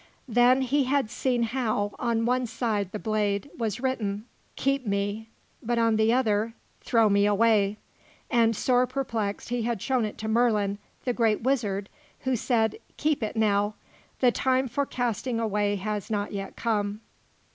Then he had seen how, on one side the blade, was written, "Keep me," but on the other, "Throw me away," and, sore perplexed, he had shown it to Merlin, the great wizard, who said: "Keep it now. The time for casting away has not yet come."